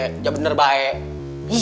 jangan benar benar baik